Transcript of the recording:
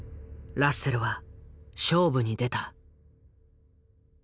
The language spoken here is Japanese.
ラッセルは勝負に出た。